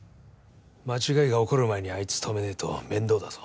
間違いが起こる前にあいつ止めねぇと面倒だぞ。